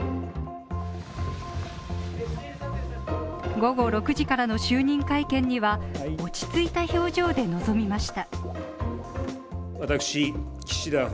午後６時からの就任会見には落ち着いた表情で臨みました。